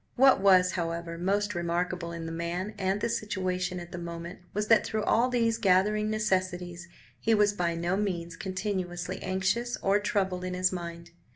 What was, however, most remarkable in the man and the situation at the moment was that, through all these gathering necessities, he was by no means continuously anxious or troubled in his mind.